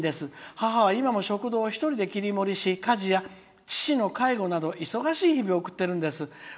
母は今も食堂を一人で切り盛りし家事や父の介護など忙しい日々を送っているんだそうです。